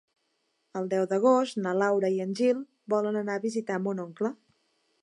El deu d'agost na Laura i en Gil volen anar a visitar mon oncle.